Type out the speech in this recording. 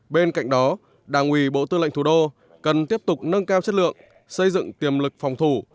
bên cạnh đó đảng ủy bộ tư lệnh thủ đô cần tiếp tục nâng cao chất lượng xây dựng tiềm lực phòng thủ